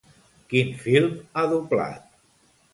Quin film ha doblat?